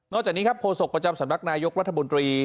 จากนี้ครับโฆษกประจำสำนักนายกรัฐมนตรี